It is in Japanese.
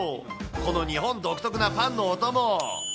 この日本独特なパンのお供。